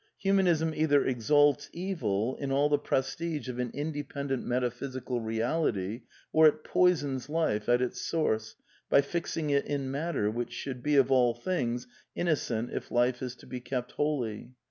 Humanism either exalts Evil, in all the prestige of an in dependent metaphysical reality, or it poisons life at its source by fixing it in matter, which should be, of all things, innocent if life is to be kept holy.